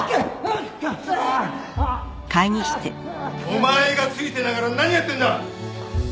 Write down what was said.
お前が付いてながら何やってんだ！